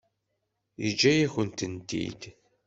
Yeǧǧa-yakent-t-id.